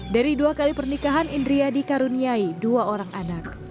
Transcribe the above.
dari dua kali pernikahan indria dikaruniai dua orang anak